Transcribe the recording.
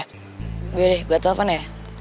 yaudah deh gue telfon ya